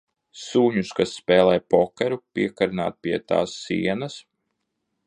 Suņus, kas spēlē pokeru, piekarināt pie tās sienas?